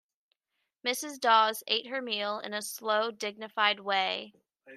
Mrs. Dawes ate her meal in a slow, dignified way.